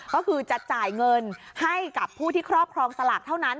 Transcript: ก็คือจะจ่ายเงินให้กับผู้ที่ครอบครองสลากเท่านั้น